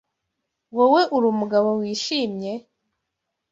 Wowe uri Umugabo wishimye?